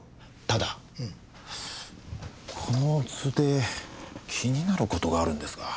ただこの図で気になる事があるんですが。